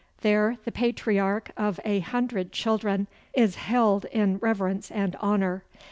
There the patriarch of a hundred children is had in reverence and honour.